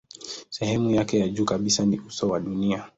Sehemu yake ya juu kabisa ni uso wa dunia.